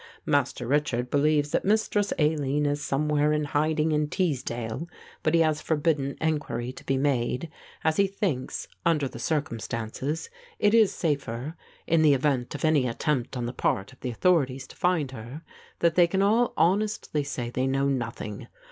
"Master Richard believes that Mistress Aline is somewhere in hiding in Teesdale, but he has forbidden enquiry to be made, as he thinks, under the circumstances, it is safer, in the event of any attempt on the part of the authorities to find her, that they can all honestly say they know nothing.